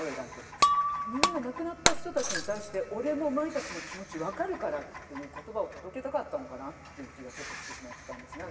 みんな亡くなった人たちに対して俺もお前たちの気持ち分かるからっていう言葉を届けたかったのかなっていう気がちょっとしてしまったんですね